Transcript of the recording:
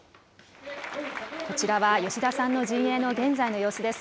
こちらは、吉田さんの陣営の現在の様子です。